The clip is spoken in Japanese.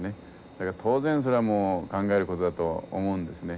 だから当然それはもう考えることだと思うんですね。